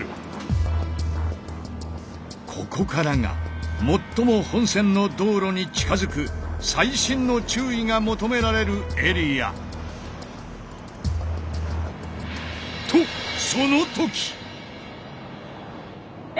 ここからが最も本線の道路に近づく細心の注意が求められるエリア。とその時！